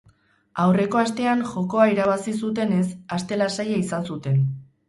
Aurreko astean jokoa irabazi zutenez, aste lasaia izan zuten.